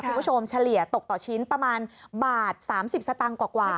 เฉลี่ยตกต่อชิ้นประมาณบาท๓๐สตางค์กว่า